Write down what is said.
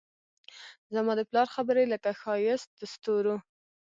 زما د پلار خبرې لکه ښایست دستورو